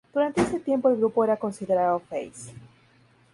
Durante este tiempo el grupo era considerado "face".